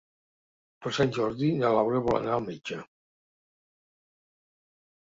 Per Sant Jordi na Laura vol anar al metge.